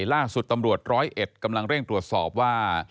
ล่าสุดตำรวจร้อยเอ็ดกำลังเร่งตรวจสอบว่า